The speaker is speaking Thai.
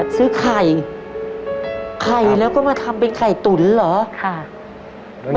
ซื้อไข่ไข่แล้วก็มาทำเป็นไข่ตุ๋นเหรอ